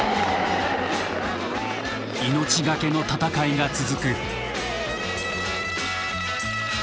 命懸けの戦いが続く。